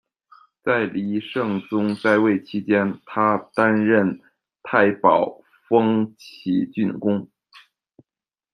在黎圣宗在位期间，他担任太保，封祈郡公。